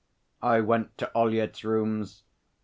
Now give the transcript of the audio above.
I went to Ollyett's rooms.